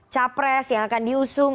capres yang akan diusung